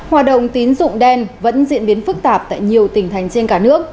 hoạt động tín dụng đen vẫn diễn biến phức tạp tại nhiều tỉnh thành trên cả nước